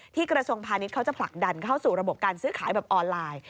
กระทรวงพาณิชย์เขาจะผลักดันเข้าสู่ระบบการซื้อขายแบบออนไลน์